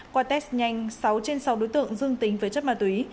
qua test nhanh sáu trên sáu đối tượng dương tính với chất ma túy